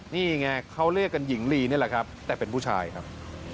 นี่ไงเขาเรียกกันหญิงลีนี่แหละครับแต่เป็นผู้ชายครับ